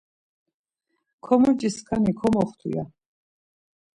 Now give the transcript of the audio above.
Komoci skani komoxtu ya.